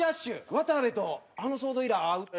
渡部とあの騒動以来会うと。